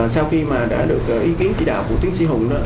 sau khi mà đã được ý kiến chỉ đạo của tiến sĩ hùng